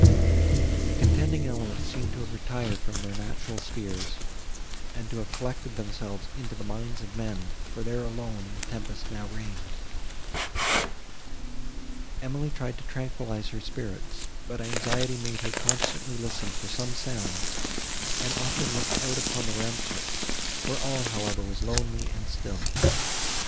The contending elements seemed to have retired from their natural spheres, and to have collected themselves into the minds of men, for there alone the tempest now reigned. Emily tried to tranquillize her spirits, but anxiety made her constantly listen for some sound, and often look out upon the ramparts, where all, however, was lonely and still.